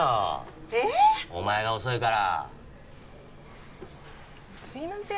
えっお前が遅いからすいません